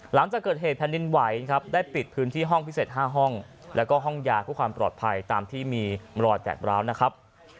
หลังจากเกิดเหตุแผ่นดินไหวครับได้ปิดพื้นที่ห้องพิเศษ๕ห้องแล้วก็ห้องยาเพื่อความปลอดภัยตามที่มีรอยแตกร้าวนะครับ